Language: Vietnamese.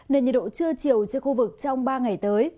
nên nhiệt độ trưa chiều trên khu vực trong ba ngày tới